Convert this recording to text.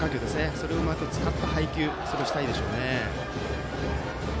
それをうまく使った配球をしたいですね。